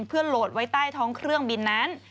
เพื่อโหลดไว้ใต้ท้องเครื่องบินนั้น